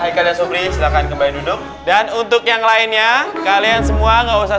hai kalian soblis silakan kembali duduk dan untuk yang lainnya kalian semua nggak usah